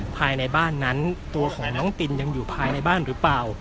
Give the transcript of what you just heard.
ภายในบ้านนั้นตัวของน้องตินยังอยู่ภายในบ้านหรือเปล่า